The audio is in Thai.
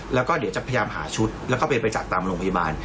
แล้วก็เดี๋ยวจะพยายามหาชุดแล้วก็ไปประจักษ์ตามโรงพยาบาล